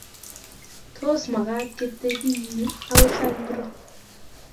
Tos, magaat ketebii yu agoy sait ngiro?